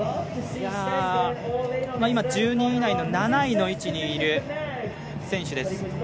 １２位以内の７位の位置にいる選手です。